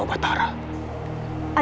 aku tidak akan menikmati